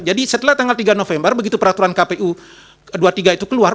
setelah tanggal tiga november begitu peraturan kpu dua puluh tiga itu keluar